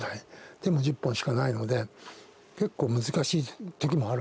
手も１０本しかないので結構難しい時もあるわけですね。